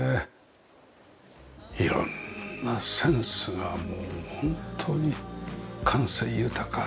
色んなセンスがもうホントに感性豊か。